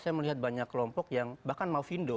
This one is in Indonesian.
saya melihat banyak kelompok yang bahkan maufindo